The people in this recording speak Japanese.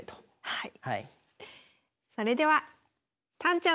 はい。